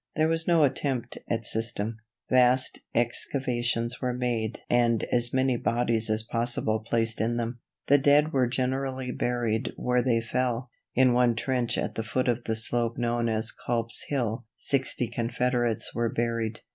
There was no attempt at system. Vast excavations were made and as many bodies as possible placed in them. The dead were generally buried where they fell. In one trench at the foot of the slope known as Culp's Hill sixty Confederates were buried.